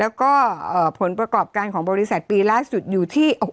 แล้วก็ผลประกอบการของบริษัทปีล่าสุดอยู่ที่